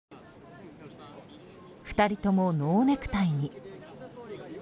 ２人とも、ノーネクタイに。